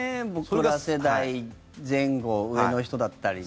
僕ら世代、前後上の人だったりね。